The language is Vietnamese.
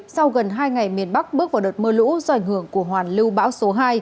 sau gần hai ngày miền bắc bước vào đợt mưa lũ do ảnh hưởng của hoàn lưu bão số hai